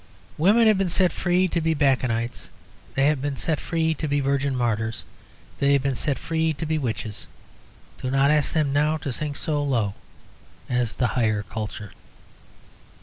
Women have been set free to be Bacchantes; they have been set free to be Virgin Martyrs; they have been set free to be Witches. Do not ask them now to sink so low as the higher culture.